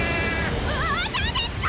またですか⁉